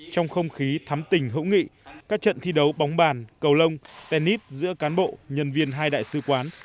trong không khí thắm tình hữu nghị các trận thi đấu bóng bàn cầu lông tennis giữa cán bộ nhân viên hai đại sứ quán